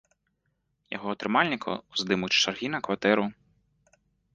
Яго атрымальнікаў здымуць з чаргі на кватэру.